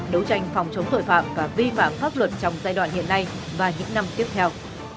đấu tranh phòng chống tội phạm và vi phạm pháp luật trong giai đoạn hiện nay và những năm tiếp theo